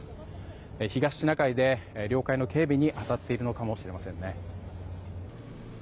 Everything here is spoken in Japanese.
東シナ海で領海の警備に当たっているのかもしれません。